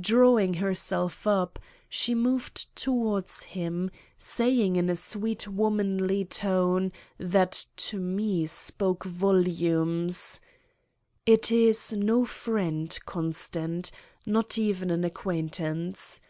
Drawing herself up, she moved towards him, saying in a sweet womanly tone that to me spoke volumes: "It is no friend, Constant, not even an acquaintance.